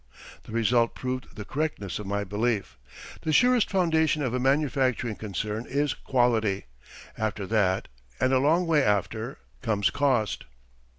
The result proved the correctness of my belief. The surest foundation of a manufacturing concern is quality. After that, and a long way after, comes cost.